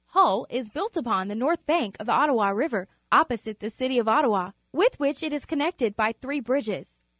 Hull is built upon the north bank of the Ottawa River opposite the city of Ottawa, with which it is connected by three bridges.